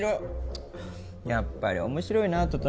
やっぱり面白いな整君。